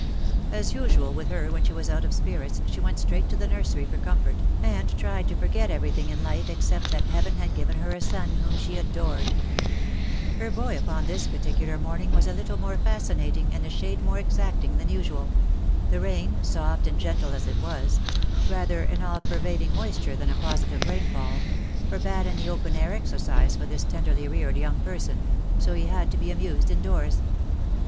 As usual with her when she was out of spirits, she went straight to the nursery for comfort, and tried to forget everything in life except that Heaven had given her a son whom she adored. STILL COME NEW WOES. Her boy upon this particular morning was a little more fascinating and a shade more exacting than usual; the rain_, soft and gentle as it was — rather an all pervading moisture than a positive rainfall — forbade any open air exercise for this tenderly reared young person — so he had to be amused indoors.